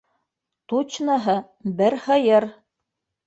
Тучныһы: бер һыйыр!